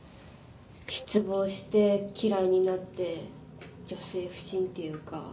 失望して嫌いになって女性不信っていうか